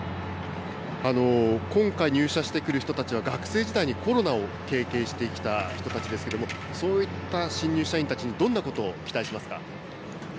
今回、入社してくる人たちは、学生時代にコロナを経験してきた人たちですけれども、そういった新入社員たちにどんなことを期待しますか。